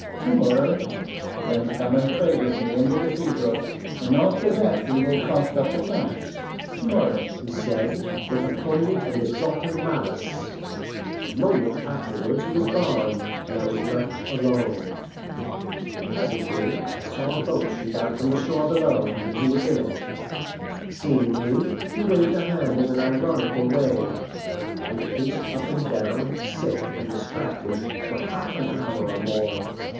"To morrow? Then come and pray with me in the cathedral, and after that we will cast up accounts to morrow," he said, with a poignant and exultant malice. A moment afterwards he was gone, and I was left alone. Presently I saw a boat shoot out from the shore below, and he was in it. Seeing me, he waved a hand in an ironical way. I paced up and down, sick and distracted, for half an hour or more.